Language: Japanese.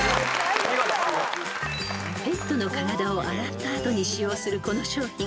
［ペットの体を洗った後に使用するこの商品］